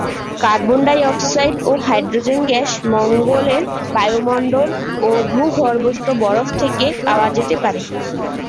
Carbon dioxide ও hydrogen gas মঙ্গলের বায়ুমণ্ডল ও ভূগর্ভস্থ বরফ থেকে পাওয়া যেতে পারে।